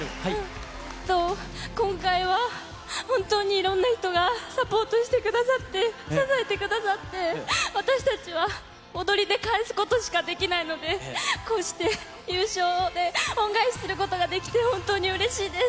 今回は本当にいろんな人がサポートしてくださって、支えてくださって、私たちは踊りで返すことしかできないので、こうして優勝で恩返しすることができて、本当にうれしいです。